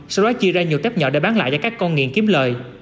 sau đó chia ra nhiều tép nhỏ để bán lại cho các con nghiện kiếm lời